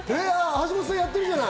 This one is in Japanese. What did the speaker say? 橋本さん、やってるじゃない。